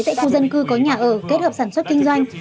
tại khu dân cư có nhà ở kết hợp sản xuất kinh doanh